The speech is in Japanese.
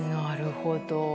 なるほど。